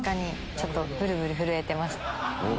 ちょっとブルブル震えてます。